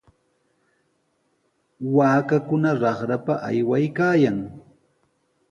Waakakuna raqrapa aywaykaayan.